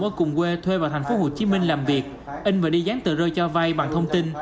ở cùng quê thuê vào tp hcm làm việc in và đi dán tờ rơi cho vay bằng thông tin